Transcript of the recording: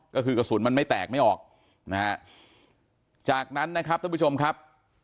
ก็คือกระสุนมันไม่แตกไม่ออกนะฮะจากนั้นนะครับท่านผู้ชมครับ